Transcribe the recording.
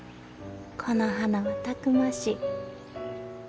この花はたくましい。